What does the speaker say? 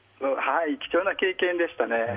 貴重な経験でしたね。